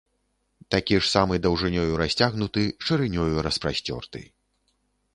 Такі ж самы даўжынёю расцягнуты, шырынёю распасцёрты.